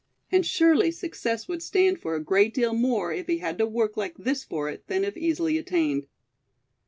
And surely success would stand for a great deal more if he had to work like this for it, than if easily attained.